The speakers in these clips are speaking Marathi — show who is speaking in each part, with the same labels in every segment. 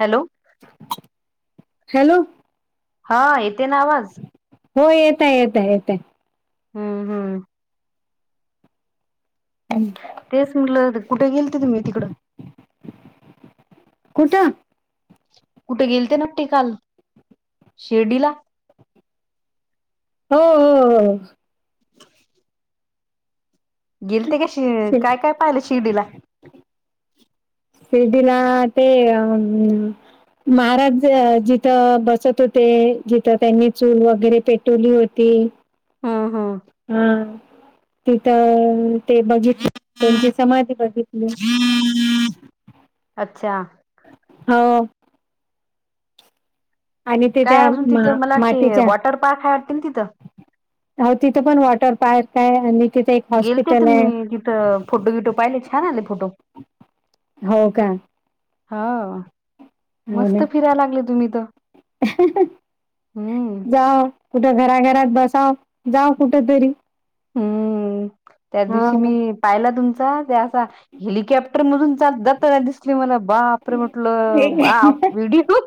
Speaker 1: हॅलो
Speaker 2: हॅलो
Speaker 1: हा येते ना आवाज.
Speaker 2: हो येत आहे येत आहे येत आहे.
Speaker 1: हम्म हम्म.
Speaker 2: हम्मं.
Speaker 1: तेच म्हटलं कुठे गेलती तुम्ही तिकडं?
Speaker 2: कुठं?
Speaker 1: कुठे गेलते ना ते काल शिर्डीला.
Speaker 2: हो हो हो.
Speaker 1: गेल ते का शि काय काय पाहिलं शिर्डीला?
Speaker 2: सिर्डीला ते अ महाराज जिथं बसत होते जिथं त्यांनी चूल वगैरे पेटवली होती.
Speaker 1: हा हा.
Speaker 2: हं. तिथं ते बघितलं त्यांची समाधी बघितली.
Speaker 1: अच्छा
Speaker 2: हो आणि ते
Speaker 1: काय
Speaker 2: त्या
Speaker 1: अजून तिथं मला वाटते
Speaker 2: मातीच्या
Speaker 1: वॉटर पार्क आहे वाटते ना तिथं
Speaker 2: हो तिथे पण वॉटर पार्क आहे आणि तिथे एक
Speaker 1: गेलते
Speaker 2: हॉस्पिटल आहे
Speaker 1: तुम्ही तिथं फोटो विटो पाहिले छान आले फोटो.
Speaker 2: हो का?
Speaker 1: हो.
Speaker 2: हो
Speaker 1: मस्त
Speaker 2: ना
Speaker 1: फिरायला लागले तुम्ही तर हम्म.
Speaker 2: हा कुठं घराघरात बसाव जा कुठ तरी.
Speaker 1: हम्म त्या दिवशी मी पाहिला तुमचा ते असा हेलिकॉप्टर मधून जातना दिसली मला बाप रे म्हटलं
Speaker 2: हा
Speaker 1: व्हिडिओ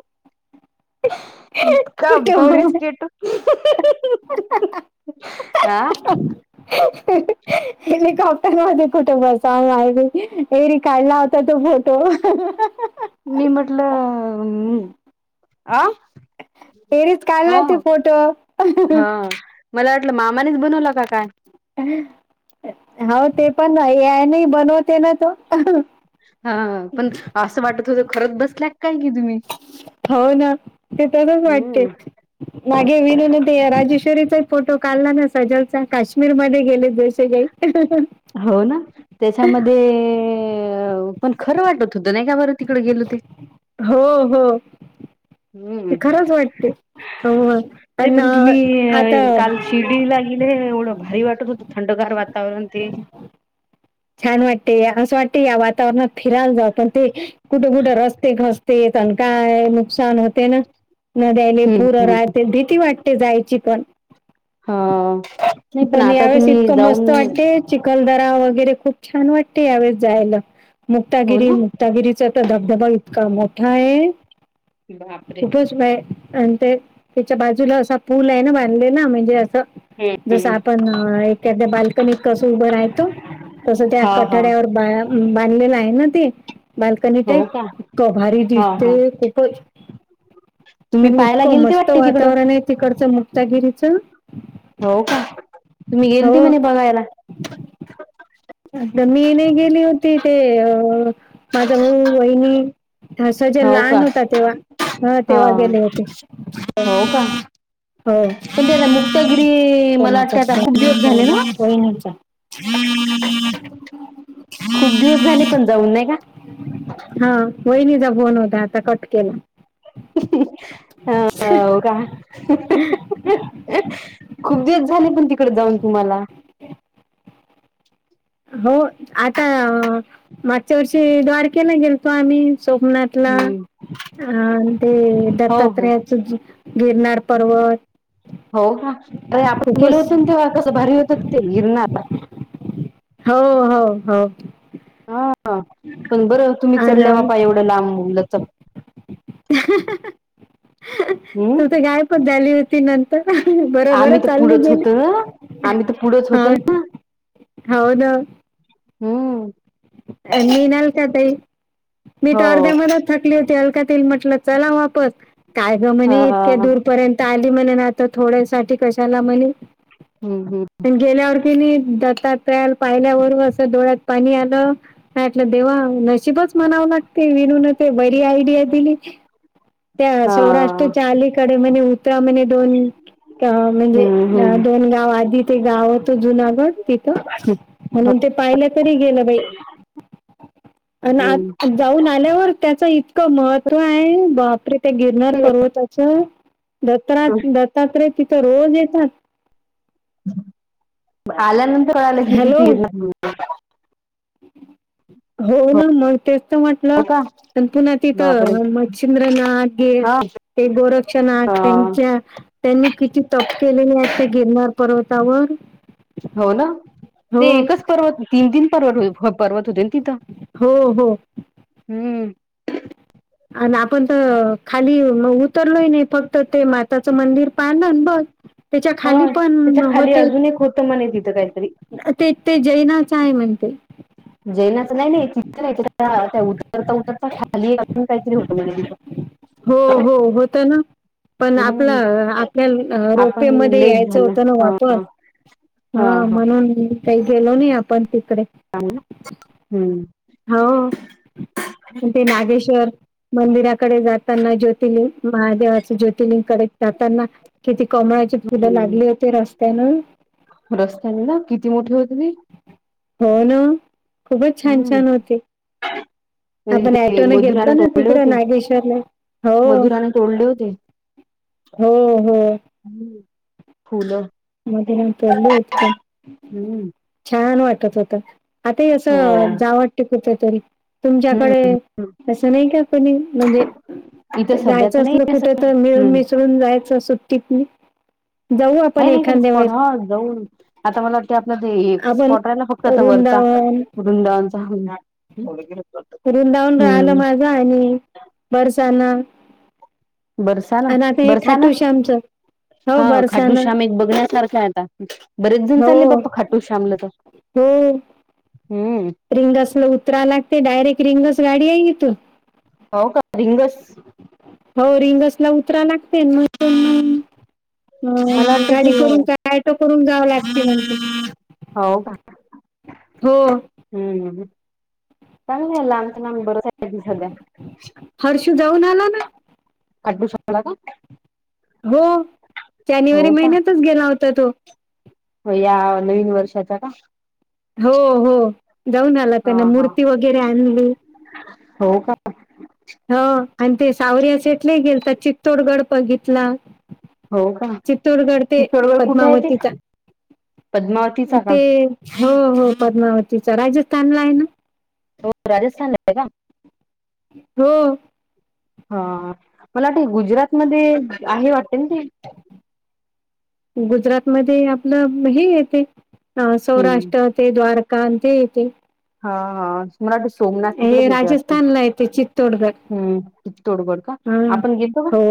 Speaker 1: इतका बरीस
Speaker 2: कुटुंब
Speaker 1: केतू [unintelligible]
Speaker 2: ह हेलिकॉप्टर मध्ये कुठे बसाव माहि एरी काढला होता तो फो
Speaker 1: मी म्हटलंम अ
Speaker 2: फेरीच काडलाय तो फोटो.
Speaker 1: हा मला वाटलं मामानेच बनवलं काय?
Speaker 2: हो ते पण आहे नाही बनवते ना तो.
Speaker 1: हा पण असं वाटत होत खरच बसल्या काय की तुम्ही.
Speaker 2: हो ना ते तरच वाटते.
Speaker 1: हम्म
Speaker 2: मागे विनून ते राजेश्वरीचा फोटो काढला ना सजलचा काश्मीर मध्ये गेले. काही
Speaker 1: हो ना त्याच्यामध्ये पण खरं वाटत होतं नाही का बरं तिकडे गेलो ते.
Speaker 2: हो हो. ते
Speaker 1: हम्म
Speaker 2: खरंच वाटते हो
Speaker 1: नाही
Speaker 2: आणि
Speaker 1: पण तुम्ही
Speaker 2: आता
Speaker 1: काल शिर्डीला हिले एढं भारी वाटत होत थंडगार वातावरण ते.
Speaker 2: छान वाटते असं वाटते या वातावरणात फिरायला जाात पण ते कुठं कुठं रस्ते घसते. पण काय नुकसान होते ना. न द्यायले
Speaker 1: हम्म
Speaker 2: पुूरं राहते भीती वाटते जायची पण.
Speaker 1: हा तेच ना
Speaker 2: पण
Speaker 1: आता
Speaker 2: यावेळेस
Speaker 1: तुम्ही
Speaker 2: इतकं मस्त
Speaker 1: जाऊन
Speaker 2: वाटते चिखलदरा वगैरे खूप छान वाटते यावेळेस जायला
Speaker 1: हो
Speaker 2: मुक्तागिरी
Speaker 1: ना
Speaker 2: मुक्तागिरीचा आता धबधबा इतका मोठा आहे
Speaker 1: बापरे
Speaker 2: खूटच नाही. आणि ते त्याच्या बाजूला असा पूल आहे ना बांधलेला म्हणजे असं. जस
Speaker 1: हम्म
Speaker 2: आपण एखाद्या बाल्कनीत कसं उभं राहतो. तसं त्या
Speaker 1: हा हा
Speaker 2: कठड्यावर बांधलेलं आहे ना ते. बालकनी टई
Speaker 1: हो का
Speaker 2: कभारी
Speaker 1: हा हा
Speaker 2: दिसते खूपच.
Speaker 1: तुम्ही
Speaker 2: आणि
Speaker 1: पाहायला
Speaker 2: इतकं
Speaker 1: गेलते
Speaker 2: मस्त
Speaker 1: वाटते तिकडं
Speaker 2: वातावरण आहे तिकडचं मुक्तागिरीचं
Speaker 1: हो का तुम्ही गेल
Speaker 2: हो
Speaker 1: ते म्हणे बघायला.
Speaker 2: आता मी येने गेली होती ते अ माझा मऊ वहिनी, हा सजन
Speaker 1: हो का
Speaker 2: लहान होता तेव्हा ह
Speaker 1: हा
Speaker 2: तेव्हा गेले होते.
Speaker 1: हो का
Speaker 2: हो
Speaker 1: पण ते आता मुक्तागिरी मला
Speaker 2: कोणाचा
Speaker 1: वाटते आता खूप दिवस झाले ना
Speaker 2: हम्मम [unintelligible]
Speaker 1: खूप दिवस झाले पण जाऊन नाही का.
Speaker 2: हा वहिणीचा फोन होता आता कट केला.
Speaker 1: अ का [unintelligible] खूप दिवस झाले पण तिकड जाऊन तुम्हाला.
Speaker 2: हो आता मागच्या वर्षी द्वारकेला गेलतो आम्ही. सोमनाथ ला
Speaker 1: हम्म
Speaker 2: अ ते
Speaker 1: हो हो
Speaker 2: दत्तात्रयाच गिरनार पर्वत.
Speaker 1: हो का अरे आपण
Speaker 2: खूपच
Speaker 1: गेलो होतो तेव्हा कसं भारी होतं ते गिरणार.
Speaker 2: हो हो हो.
Speaker 1: हा पण बरं तुम्ही
Speaker 2: हा
Speaker 1: चढल्या बापा एवढं लांब लचक. हम्म
Speaker 2: तुझ गाय पण झाली होती न. बरोबर
Speaker 1: आम्ही तर
Speaker 2: चालली
Speaker 1: पुढंच होतो ना आम्ही
Speaker 2: गेली
Speaker 1: तर पुढंच
Speaker 2: हा.
Speaker 1: होतो ना
Speaker 2: हो ना
Speaker 1: हम्म.
Speaker 2: अ मि नाल का तई मी त
Speaker 1: हो
Speaker 2: अर्ध्या म थकली होती अलकात म्हटलं चला वास काय ग
Speaker 1: हा
Speaker 2: म्ह इतक्या दूरपर्यंत, तली म्हण ना आ तर थोड्यासाठी कशाला म्हणे.
Speaker 1: हम्म हम्.
Speaker 2: गेल्यावर की नाही दातात्रला पाहिल्यावर असं डोळ्यात पाणी आलं, नाहीटलं देव नशिबच म्हणावं लागते विनून ते बरी आयडिया दिली. त्या
Speaker 1: हा
Speaker 2: सौराष्ट्रच्या अलीकडे म्ह उतरा म्हणे दोन- म्हणजे
Speaker 1: हम्म हम्म
Speaker 2: दोन गाव आधी. ते गाव होतं जुनागड तिथं म्हणून ते पाहिल्या तरी गेलं बाई. आणि आ
Speaker 1: हम्म
Speaker 2: जाऊन आल्यावर त्याचं इतकं महत्व आहे बा- ते गिरनार पर्वताचं दत्र दत्तात्रय तिथं रोज येतात.
Speaker 1: आल्यानंतर आलं की कि
Speaker 2: हॅलो
Speaker 1: तीर- [unintelligible]
Speaker 2: हो ना मग तेच तर म्हटलं
Speaker 1: का
Speaker 2: पुन तीथ
Speaker 1: बापरे
Speaker 2: मच् चंद्र नागे.
Speaker 1: हा
Speaker 2: ते गोरक्ष ना
Speaker 1: हा,
Speaker 2: त्यांच्या, त्यांनी किती तप केलेले आहेत ते गिरणार पर्वतावर.
Speaker 1: हो न.
Speaker 2: हो
Speaker 1: ते एकच पर्वत तीन तीन पर्वत हो पर्वत होते ना तिथं
Speaker 2: हो हो
Speaker 1: हम्म
Speaker 2: आणि आपण तर खाली उतरलोही नाही फक्त ते माताचं मंदिर पायन बघ त्याच्या खाली
Speaker 1: होय
Speaker 2: पण
Speaker 1: त्याच्या खाली
Speaker 2: होते
Speaker 1: अजून एक होतं म्हणे तिथं कायतरी,
Speaker 2: ते ते जैनाचं आहे म्हणते
Speaker 1: जैनाच नाय माहिती [unintelligible] खाली आत पण कायतरी होते म्हणे तिंथ
Speaker 2: हो हो होतय ना, पण आपला
Speaker 1: हम्म
Speaker 2: आपल्या रोपे
Speaker 1: आपण
Speaker 2: मध्ये
Speaker 1: लेट
Speaker 2: यायचं
Speaker 1: झालं
Speaker 2: होतं ना
Speaker 1: हा
Speaker 2: वापस हा म्हणून काही गेलो नाही आपण तिकडे.
Speaker 1: हम्म
Speaker 2: हो ते नागेश्वर मंदिराकडे जाताना ज्योतिलिंग महादेवाचे ज्योतर्लिंगकडे जाताना किती कमळ- किती ना लागले
Speaker 1: हम्म
Speaker 2: होते रस्त्यान-
Speaker 1: रस्त्याने ना किती मोठे होते ते
Speaker 2: हो ना मंग खूपच छान
Speaker 1: हम्म
Speaker 2: छान होते.
Speaker 1: आणि
Speaker 2: आपण
Speaker 1: ते
Speaker 2: येताना
Speaker 1: मधुराने
Speaker 2: गेलतो ना
Speaker 1: तोडले
Speaker 2: तिकड
Speaker 1: होते
Speaker 2: नागेश्वरला- हो
Speaker 1: मधुराने तोडले होते.
Speaker 2: हो होय.
Speaker 1: फुलं
Speaker 2: मधुरा नी तोडलं होत पण
Speaker 1: हम्म
Speaker 2: छान वाटत होता. आता
Speaker 1: हो
Speaker 2: असं जाव वाटत कुठ तरी तुमच्याकडे
Speaker 1: हम्म
Speaker 2: अस नाय का कोणी म्हणजे.
Speaker 1: इथं सध्या
Speaker 2: जायचं
Speaker 1: तर नाही
Speaker 2: असल
Speaker 1: आहे.
Speaker 2: कुठ तर
Speaker 1: हम्म
Speaker 2: मिळूनचं - पण जायच सुट्टीत मग जाऊ आपण एक
Speaker 1: ह जाऊन आता मला वाट आपला ते हे
Speaker 2: आपण
Speaker 1: स्पॉट राहिला फक्त आता वरचा-
Speaker 2: वृंदावन
Speaker 1: वृंदावनचा [unintelligible]
Speaker 2: रुंदावून राहिलं
Speaker 1: हम्म
Speaker 2: माझा हाय ना बरसाना.
Speaker 1: बरसा ना
Speaker 2: आणि आता हे
Speaker 1: बरसा ना
Speaker 2: खाटूश आमचं हो
Speaker 1: हा खाटू
Speaker 2: बरसाना
Speaker 1: श्याम एक बघण्यासारखा आता. बरेच जण
Speaker 2: हो
Speaker 1: चालले बाप्पा खाटू श्यामला त्या हम्म्म
Speaker 2: रिंगस ला उतराय लागते डायरेक्ट रिंगस गाडी आहे इथून.
Speaker 1: हो का रिंगस
Speaker 2: हो रिंगस ला उतरा लागतय मग. [unintelligible]
Speaker 1: मला वाटते
Speaker 2: गाडी
Speaker 1: ते हो
Speaker 2: करून काय ऑटो करून जावं लागतय.
Speaker 1: हाव का. हम्म चागलं हाय लांबच्या लांब बर सध्या
Speaker 2: हर्षू जाऊन आला ना
Speaker 1: खाटू शामला का
Speaker 2: हो
Speaker 1: हो
Speaker 2: जानेवारी
Speaker 1: का
Speaker 2: महिन्यातच गेला होता तो.
Speaker 1: हो या नवीन वर्षाचा का?
Speaker 2: हो हो जाऊन आला
Speaker 1: हा
Speaker 2: त्यांनी
Speaker 1: हा
Speaker 2: मूर्ती वगैरे आणली.
Speaker 1: हो का.
Speaker 2: हो आणि ते सावरि शेटले गेलता चितोडगड बघितला.
Speaker 1: हो का
Speaker 2: चित्तोडगड ते
Speaker 1: चित्तोडगड कुठे आहे ते
Speaker 2: पद्मावतीच्या
Speaker 1: पद्मावतीचा का
Speaker 2: ते हो हो पद्मावतीचा राजस्थानला हाय ना
Speaker 1: हो राजस्थान येत का.
Speaker 2: हो.
Speaker 1: हा मला वाटत तगुजरात मध्ये आहे वाटते ना ते
Speaker 2: गुजरातमध्ये आपलं हे येते
Speaker 1: हम्म
Speaker 2: सौराष्ट्रात ते द्वारका ते त.
Speaker 1: हा हा. मराठी सोमनाथ तिकडेच
Speaker 2: हे
Speaker 1: येते वाटत
Speaker 2: राजस्थानला येते चित्तोडगड
Speaker 1: हम्म कि तोडगोड का.
Speaker 2: हा
Speaker 1: आपण घेतो का.
Speaker 2: हो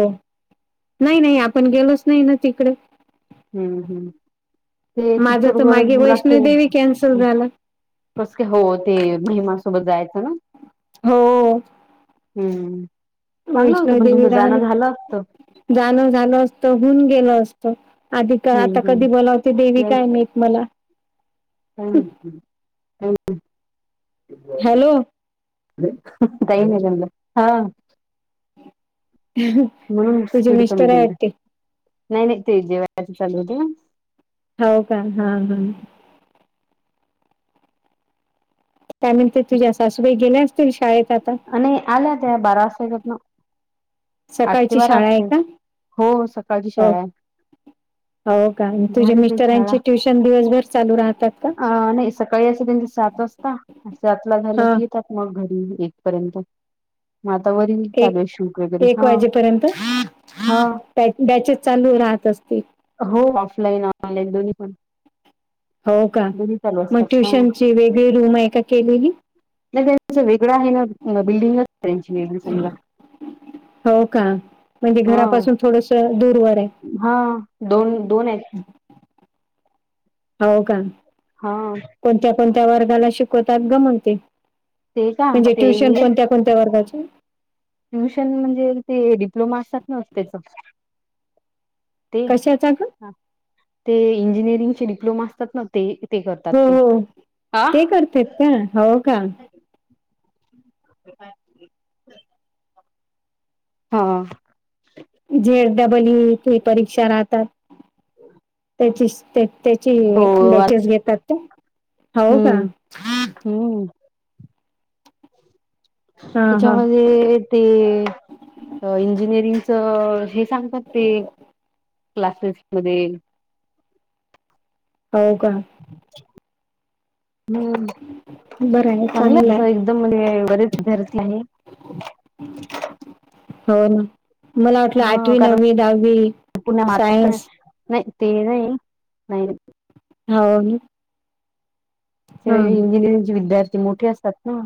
Speaker 2: नाही नाही आपण गेलोच नाही ना तिकडे.
Speaker 1: हम्म हम् ते
Speaker 2: माझं तर
Speaker 1: चित्डगड
Speaker 2: मागे
Speaker 1: मुला.
Speaker 2: वैष्णोदेवी कॅन्सल झाला
Speaker 1: कस का हो ते महिमा सोबत जायचं ना.
Speaker 2: हो.
Speaker 1: हम्म चांगलं होतं पण
Speaker 2: वैष्णोदेवी
Speaker 1: तुमचं
Speaker 2: राहिलं
Speaker 1: जाणं झालं असतं.
Speaker 2: जाणं झालं असत होऊन गेल असत. आधी का
Speaker 1: हम्म
Speaker 2: आता
Speaker 1: हम्म
Speaker 2: कधी बोलावते देवी काय नाहीत मला.
Speaker 1: हां हां.
Speaker 2: हॅलो.
Speaker 1: यनरम हा. म्हणून
Speaker 2: तुझे
Speaker 1: स्पीड कमी
Speaker 2: मिस्टर आहे
Speaker 1: गेली
Speaker 2: वाटते
Speaker 1: नाही नाही ते जेव चालू होते.
Speaker 2: हो का हा हा. त्यानंतर तुझ्या सासूबाई गेल्या असतील शाळेत. आता
Speaker 1: आणि आल्या त्या बारा वाजेकडन. आठते
Speaker 2: सकाळची
Speaker 1: वार
Speaker 2: शाळा आहे
Speaker 1: असते
Speaker 2: का
Speaker 1: हो सकाळची
Speaker 2: हो
Speaker 1: शाळा.
Speaker 2: हो का आणि
Speaker 1: [inaudible]
Speaker 2: तुझ्या
Speaker 1: झाली का शाळा,
Speaker 2: मिस्टरांची ट्युशन दिवसभर चालू राहतात का
Speaker 1: अ नाही सकाळी अस त्यां सात वाजता. असं आतला झालं
Speaker 2: हा
Speaker 1: की येतात मग घडी एक पर्यंत. मग आता वरील चालू
Speaker 2: एक
Speaker 1: आहे शूट वगैरे हा.
Speaker 2: हा बॅचेस चालू राहत असते.
Speaker 1: हो ऑफलाईन ऑनलाईन दोन्ही पण.
Speaker 2: हो का
Speaker 1: दोन्ही चालू
Speaker 2: मग
Speaker 1: असतात हा
Speaker 2: ट्युशनची वेगळी रूम आहे का केलेली.
Speaker 1: नाही त्यां वेगळां आहे ना बिल्डिंगच आहे त्यांची वेगळी सजा.
Speaker 2: हो का म्हणजे घरापासून थोडस दूरवर आहे.
Speaker 1: हा दोन-दोन आहेत.
Speaker 2: हो का.
Speaker 1: हा.
Speaker 2: कोणत्या कोणत्या वर्गाला शिकवतात ग म्हते?
Speaker 1: ते का
Speaker 2: म्हणजे
Speaker 1: ते
Speaker 2: ट्युशन कोणत्या. कोणत्या वर्गाचे?
Speaker 1: ट्युशन म्हणजे ते डिप्लोमा असतात न त्याच. ते
Speaker 2: कशाचा ग
Speaker 1: ते इंजिनिअरिंग चे डिप्लोमा असतात ना. ते ते करतात
Speaker 2: हो
Speaker 1: ते
Speaker 2: हो
Speaker 1: हा.
Speaker 2: ते
Speaker 1: [inaudible]
Speaker 2: करतात का हो का
Speaker 1: [unintelligible] हा.
Speaker 2: झेड डबल परीक्षा राहतात त्याची ते. त्याची
Speaker 1: हो
Speaker 2: बॅचेस घेतात ते हो का.
Speaker 1: हम्म
Speaker 2: हा
Speaker 1: हम्म.
Speaker 2: हा
Speaker 1: त्यांच्यामध्ये. ते, इंजिनिअरिंगच हे सांगतात ते. क्लासेसमध्ये‌.
Speaker 2: हो का.
Speaker 1: [unintelligible] हम्म
Speaker 2: बरं आहे
Speaker 1: चांगलं तस
Speaker 2: आहे
Speaker 1: एकदम म्हणजे बरेच विद्यार्थी.
Speaker 2: [inaudible] हो ना. मला वाटलं
Speaker 1: ह
Speaker 2: आठवी
Speaker 1: कारण
Speaker 2: नववी दहावी
Speaker 1: पुणे महाराष्ट्र
Speaker 2: सायन्स
Speaker 1: नाही ते नाही नाही
Speaker 2: हो ना
Speaker 1: ते
Speaker 2: हा हा.
Speaker 1: इंजिनिअरिंग चे विद्यार्थी मोठे असतात ना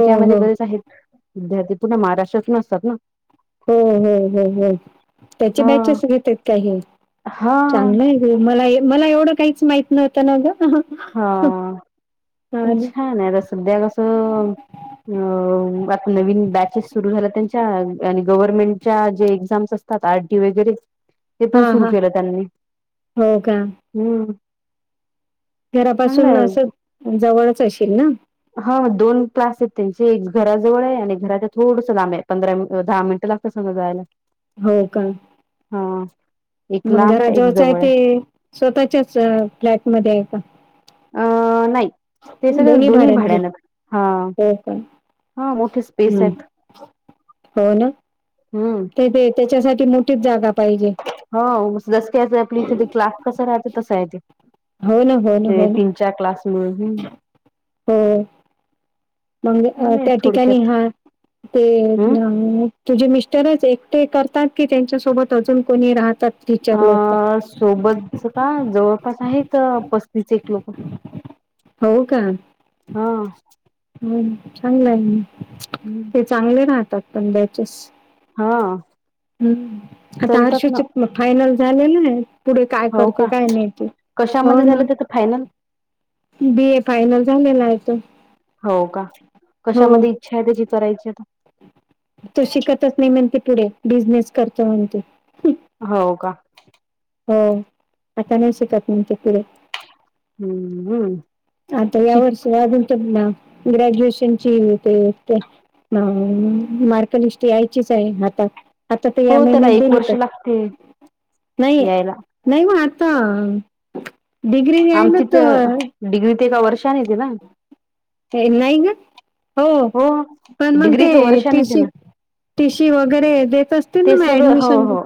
Speaker 1: [inaudible] क्यामध्ये
Speaker 2: हो
Speaker 1: बरेच आहेत विद्यार्थी पुूर्ण महाराष्ट्रातून असतात ना.
Speaker 2: हो हो हो हो त्यांचे
Speaker 1: हा
Speaker 2: बॅचेस घेत आहेत काही
Speaker 1: हा
Speaker 2: चांगलं. हो मला मला एवढं काहीच माहित नवतं ना ग.
Speaker 1: हा प
Speaker 2: आणि-
Speaker 1: छान आहे आता सध्या कसं. अह आता नवीन बॅचेस सुरू झाल्या त्यांच्या आणि गव्हर्नमेंटच्या जे एक्झाम्स अस घेतात आरडी वगैरे हे पण
Speaker 2: हा
Speaker 1: सुरु
Speaker 2: हा
Speaker 1: केलं त्यांनी
Speaker 2: हो का
Speaker 1: हम्म
Speaker 2: घरापासून
Speaker 1: चांगलं
Speaker 2: असं जवळच अशेल ना
Speaker 1: हा दोन क्लास आहेत त्यांचे एक घराजवळ आहे आणि घरा थोडस लांब आहे पंधरा दहा मिनट लाग तसं मग जायला
Speaker 2: होय का
Speaker 1: हा. एक
Speaker 2: मग
Speaker 1: लांब एक
Speaker 2: घराजळच आहे
Speaker 1: जवळ
Speaker 2: ते स्वतःच्याच फ्लॅट मध्ये आहे का?
Speaker 1: अं नाही ते सगळं दोन्ही
Speaker 2: भाड्याने घेत
Speaker 1: भाड्यान हा
Speaker 2: हो का
Speaker 1: हा मोठे स्पेस
Speaker 2: हम्म.
Speaker 1: आहेत
Speaker 2: हो ना.
Speaker 1: हम्म.
Speaker 2: ते ते त्यांच्यासाठी मोठीच जागा पाहिजे
Speaker 1: हो जसं की आपली इथे क्लाक कसा राहते तसं आहे ते
Speaker 2: हो ना हो ना
Speaker 1: ते
Speaker 2: हो ना
Speaker 1: तीन चार क्लास मुळे हम्म
Speaker 2: हो मग त्या ठिकाणी हा ते
Speaker 1: हम्
Speaker 2: [unintelligible] तुझे मिस्टरच एकटे करतात की त्यांच्यासोबत अजून कोणी राहतात? टीचर लोक
Speaker 1: अ सोबतच का जवळपास आहेत पस्तीस एक लोक
Speaker 2: हो का.
Speaker 1: हा.
Speaker 2: मग चांगलं आहे म
Speaker 1: हम्म.
Speaker 2: ते चांगले राहतात पण बॅचेस
Speaker 1: हा.
Speaker 2: हम्म आता
Speaker 1: चलतात ना
Speaker 2: हर्षदचे फायनल झालेलं आहे पुढे काय
Speaker 1: हो
Speaker 2: करते
Speaker 1: का
Speaker 2: काय माहिती हो
Speaker 1: कशामध्ये
Speaker 2: ना
Speaker 1: झालं त्याच फायनल
Speaker 2: बी ए फायनल झालेला आहे तो
Speaker 1: हो का
Speaker 2: हो
Speaker 1: कशामध्ये इच्छा आहे त्यांची करायची आता?
Speaker 2: तो शिकतच नाही म्हणते पुढे बिझनेस करतो म्हणते
Speaker 1: हो का.
Speaker 2: हो आता नाही शिकत म्हणतो पुढे
Speaker 1: हम्म हम्म.
Speaker 2: आता या वर्ष अजून तर ना ग्रॅज्युएशनची ते ते [unintelligible] मार्कलिस्ट यायचीच आहे हातात आता ते या
Speaker 1: हो त्याला
Speaker 2: महिन्यात
Speaker 1: एक
Speaker 2: दिली
Speaker 1: वर्ष
Speaker 2: तर,
Speaker 1: लागते
Speaker 2: नाहीये
Speaker 1: यायला
Speaker 2: नाही म आता डिग्री आहे ना तर
Speaker 1: डिग्री ते का वर्षाने येते ना
Speaker 2: नाही ग हो पण मग
Speaker 1: डिग्री
Speaker 2: ते
Speaker 1: एका वर्षाने
Speaker 2: टी
Speaker 1: येते
Speaker 2: सी
Speaker 1: ना
Speaker 2: टी सी वगैरे देत असतील
Speaker 1: ते
Speaker 2: ना म
Speaker 1: सगळं हो
Speaker 2: ॲडमिशन
Speaker 1: हो